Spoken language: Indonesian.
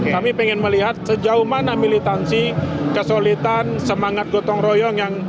kami ingin melihat sejauh mana militansi kesulitan semangat gotong royong yang